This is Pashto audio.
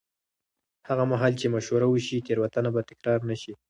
هغه مهال چې مشوره وشي، تېروتنه به تکرار نه شي.